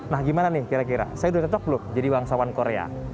nah gimana nih kira kira saya udah cocok belum jadi bangsawan korea